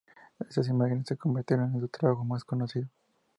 Estas imágenes se convirtieron en su trabajo más conocido.